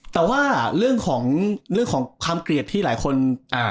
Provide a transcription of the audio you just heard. แต่ว่าเรื่องของเรื่องของความเกลียดที่หลายคน